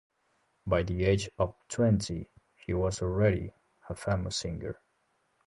By the age of twenty he was already a famous singer.